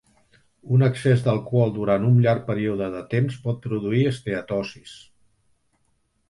Un excés d'alcohol durant un llarg període de temps pot produir esteatosis.